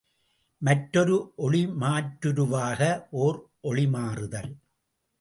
மற்றொரு ஒளிமாற்றுருவாக ஒர் ஒளிமாறுதல்.